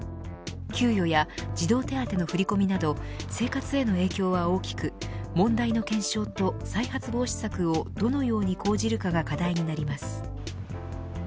給与や児童手当の振り込みなど生活への影響は大きく問題の検証と再発防止策をどのように講じるかが課題になります。